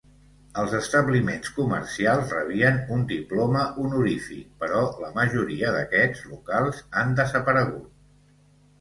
Els establiments comercials rebien un diploma honorífic, però la majoria d'aquests locals han desaparegut.